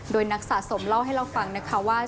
โดยนักสะสมเล่าให้เราฟังนะคะว่า